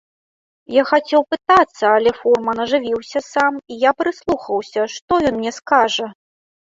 Я хацеў пытацца, але фурман ажывіўся сам, і я прыслухаўся, што ён мне скажа?